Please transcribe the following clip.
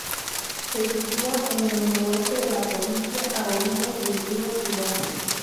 Se sitúa en el noroeste de la provincia, a orillas del río Tirón.